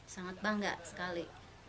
sangat bangga sekali